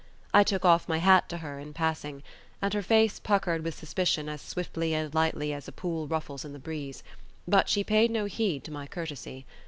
I took off my hat to her in passing, and her face puckered with suspicion as swiftly and lightly as a pool ruffles in the breeze; but she paid no heed to my courtesy.